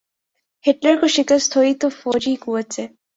Hitler کو شکست ہوئی تو فوجی قوت سے۔